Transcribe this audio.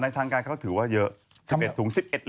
ในทางการเขาถือว่าเยอะเกือบเลือก๑๑ถุง๑๑ลิตร